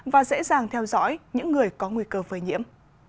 và dễ dàng theo dõi những người có nguy cơ phơi nhiễm